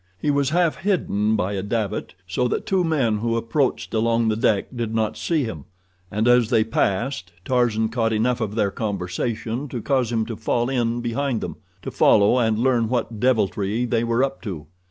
He was half hidden by a davit, so that two men who approached along the deck did not see him, and as they passed Tarzan caught enough of their conversation to cause him to fall in behind them, to follow and learn what deviltry they were up to.